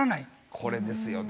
これですよね。